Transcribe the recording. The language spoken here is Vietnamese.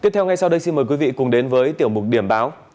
tiếp theo ngay sau đây xin mời quý vị cùng đến với tiểu mục điểm báo